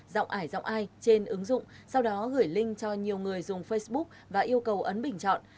giọng ải giọng ai trên ứng dụng sau đó gửi link cho nhiều người dùng facebook và yêu cầu ấn bình chọn